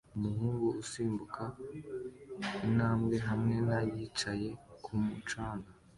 Umuhungu usimbuka intambwe hamwe na yicaye kumu canga